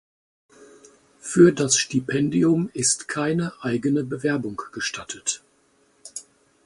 Für das Stipendium ist keine eigene Bewerbung gestattet.